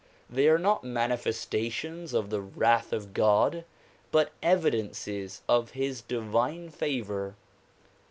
They are not manifestations of the wrath of God but evidences of his divine favor.